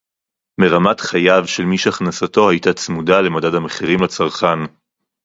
מרמת חייו של מי שהכנסתו היתה צמודה למדד המחירים לצרכן